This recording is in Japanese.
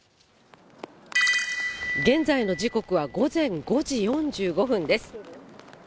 現在の時刻は午前５時４５分です。